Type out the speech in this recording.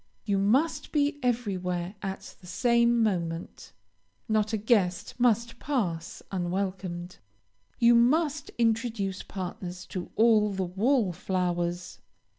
You must be everywhere at the same moment. Not a guest must pass unwelcomed. You must introduce partners to all the wall flowers.